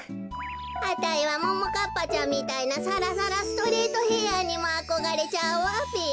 あたいはももかっぱちゃんみたいなさらさらストレートヘアにもあこがれちゃうわべ。